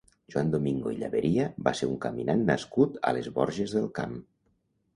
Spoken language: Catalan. Joan Domingo i Llaberia va ser un caminant nascut a les Borges del Camp.